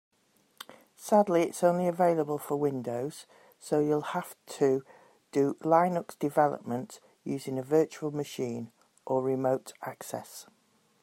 Sadly, it's only available for Windows, so you'll have to do Linux development using a virtual machine or remote access.